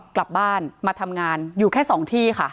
กลับบ้านมาทำงานอยู่แค่๒ที่ค่ะ